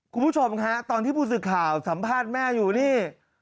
คุณผู้ชมฮะตอนที่ผู้สื่อข่าวสัมภาษณ์แม่อยู่นี่